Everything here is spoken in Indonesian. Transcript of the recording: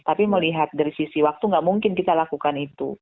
tapi melihat dari sisi waktu nggak mungkin kita lakukan itu